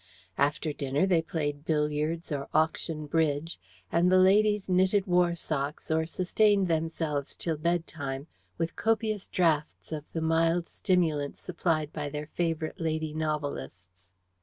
After dinner they played billiards or auction bridge, and the ladies knitted war socks or sustained themselves till bedtime with copious draughts of the mild stimulant supplied by their favourite lady novelists.